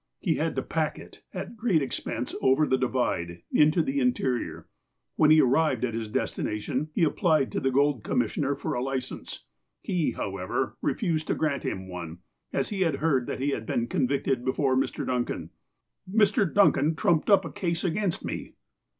He had to "pack" it, at great exj)ense, over the Divide, into the In terior. "When he arrived at his destination, he applied to the Gold Commissioner for a license. He, however, re fused to grant him one, as he had heard that he had been convicted before Mr. Duncan. " Mr. Duncan trumped up a case against me."